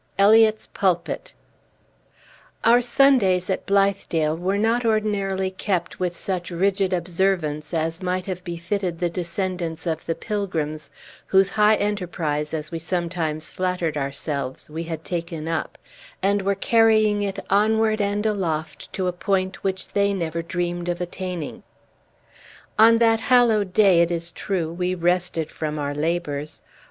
XIV. ELIOT'S PULPIT Our Sundays at Blithedale were not ordinarily kept with such rigid observance as might have befitted the descendants of the Pilgrims, whose high enterprise, as we sometimes flattered ourselves, we had taken up, and were carrying it onward and aloft, to a point which they never dreamed of attaining. On that hallowed day, it is true, we rested from our labors.